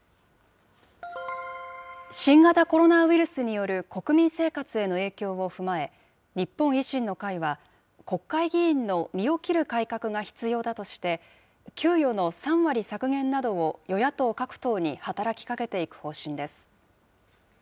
新型コロナウイルスによる国民生活への影響を踏まえ、日本維新の会は、国会議員の身を切る改革が必要だとして、給与の３割削減などを与野党各党に働きかけていく方針です。